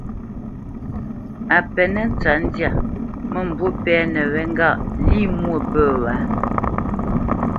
A penə́ ntsətndyâ, mə̂mbû pɛ́nə wé ŋgâʼ lî mwô pə̂ wǎ?